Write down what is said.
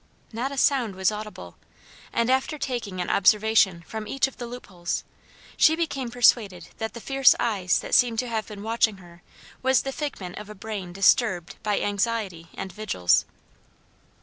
Not a sound was audible, and after taking an observation from each of the loop holes she became persuaded that the fierce eyes that seemed to have been watching her was the figment of a brain disturbed by anxiety and vigils.